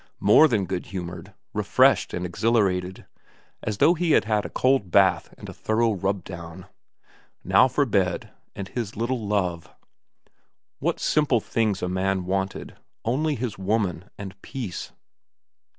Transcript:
More than good humoured, refreshed and ex hilarated, as though he had had a cold bath and a thorough rub down. Now for bed and his little Love. What simple things a man wanted, only his woman and peace.